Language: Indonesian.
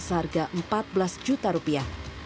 seharga empat belas juta rupiah